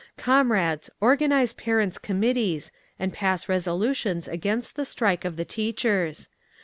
"Comrades, organise parents' committees and pass resolutions against the strike of the teachers.